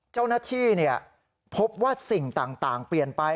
เจ้าหน้าที่พบว่าสิ่งต่างเปลี่ยนไป